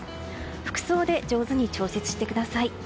服装で上手に調節してください。